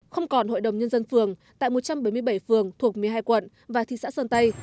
không còn hội đồng nhân dân phường tại một trăm bảy mươi bảy phường thuộc một mươi hai quận và thị xã sơn tây